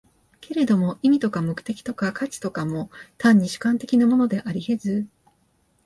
けれども意味とか目的とか価値とかも、単に主観的なものであり得ず、